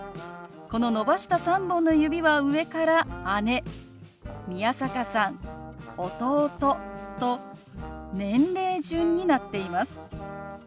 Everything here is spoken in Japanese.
この伸ばした３本の指は上から姉宮坂さん弟と年齢順になっています。